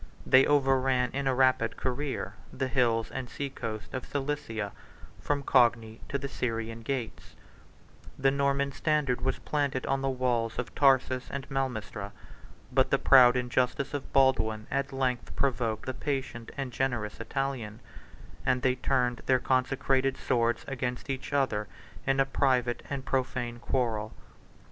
They overran in a rapid career the hills and sea coast of Cilicia, from Cogni to the Syrian gates: the Norman standard was first planted on the walls of Tarsus and Malmistra; but the proud injustice of Baldwin at length provoked the patient and generous Italian; and they turned their consecrated swords against each other in a private and profane quarrel.